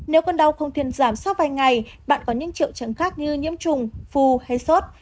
nếu con đau không thiên giảm sau vài ngày bạn có những triệu chứng khác như nhiễm trùng phu hay sốt